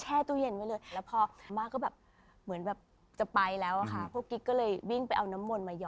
แช่ตู้เย็นเตรียมไว้เลย